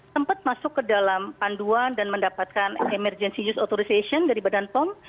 sempat masuk ke dalam panduan dan mendapatkan emergency use authorization dari badan pom